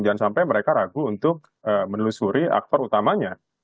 jangan sampai mereka ragu untuk menelusuri aktor utamanya